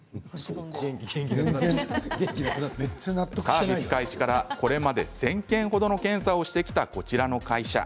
サービス開始から、これまで１０００件程の検査をしてきたこちらの会社。